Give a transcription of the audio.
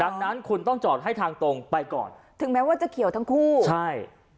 ดังนั้นคุณต้องจอดให้ทางตรงไปก่อนถึงแม้ว่าจะเขียวทั้งคู่ใช่